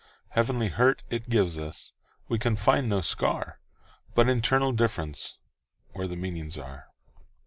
Heavenly hurt it gives us; We can find no scar, But internal differenceWhere the meanings are.